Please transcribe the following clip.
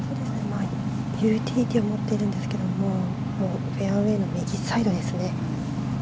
ユーティリティーを持っているんですけどフェアウェーの右サイドですね。